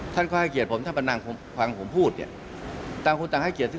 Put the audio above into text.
ท่านก็ให้เกียรติผมท่านก็ให้เกียรติผมท่านก็ให้เกียรติผมท่านก็ให้เกียรติผม